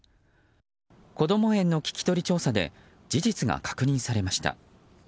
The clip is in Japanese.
こども園の聞き取り調査で事実が確認されました。